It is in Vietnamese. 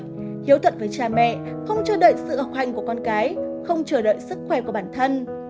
hiếu thật với cha mẹ không chờ đợi sự học hành của con cái không chờ đợi sức khỏe của bản thân